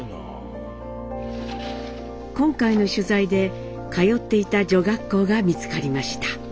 今回の取材で通っていた女学校が見つかりました。